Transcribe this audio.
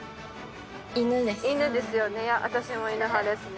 犬ですよね